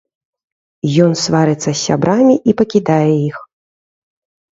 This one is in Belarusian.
Ён сварыцца з сябрамі і пакідае іх.